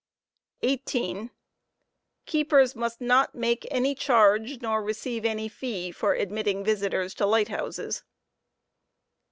Ko foe » ai. 18. Keepers must not make any charge, nor receive any fee, for admitting visitors towed " to light houses.